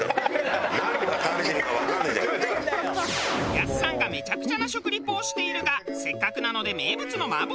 やすさんがめちゃくちゃな食リポをしているがせっかくなので。